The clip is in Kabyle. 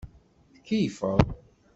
Tkeyyfeḍ.